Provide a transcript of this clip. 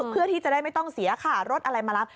เพื่อที่จะได้ไม่ต้องเสียค่ารถอะไรมารับ